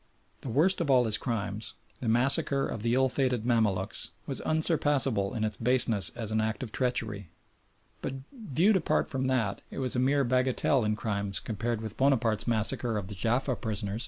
The worst of all his crimes the massacre of the ill fated Mamaluks was unsurpassable in its baseness as an act of treachery, but viewed apart from that it was a mere bagatelle in crime compared with Bonaparte's massacre of the Jaffa prisoners.